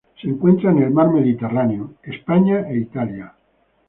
Se encuentra en el Mar Mediterráneo: España e Italia.